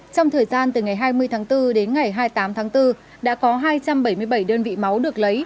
trong thời gian từ ngày hai mươi tháng bốn đến ngày hai mươi tám tháng bốn đã có hai trăm bảy mươi bảy đơn vị máu được lấy